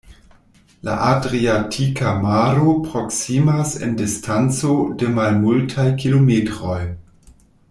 La Adriatika Maro proksimas en distanco de malmultaj kilometroj.